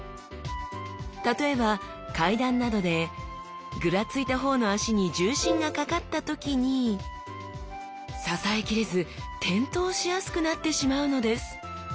例えば階段などでグラついた方の脚に重心がかかった時に支えきれず転倒しやすくなってしまうのです